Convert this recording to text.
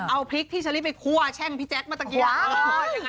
เอาพริกที่ฉันรีบไปคั่วแช่งพี่แจ๊กมาตะเกี๊ยว